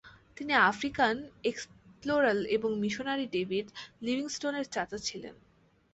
তিনি African explorer এবং missionary David Livingstone এর চাচা ছিলেন।